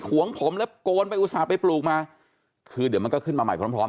วงผมแล้วโกนไปอุตส่าห์ไปปลูกมาคือเดี๋ยวมันก็ขึ้นมาใหม่พร้อมพร้อม